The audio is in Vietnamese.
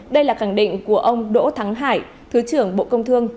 đây là khẳng định của ông đỗ thắng hải thứ trưởng bộ công thương